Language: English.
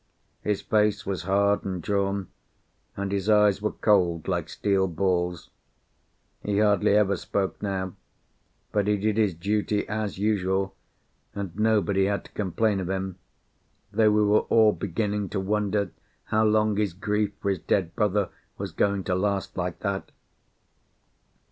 His face was hard and drawn, and his eyes were cold like steel balls. He hardly ever spoke now, but he did his duty as usual, and nobody had to complain of him, though we were all beginning to wonder how long his grief for his dead brother was going to last like that.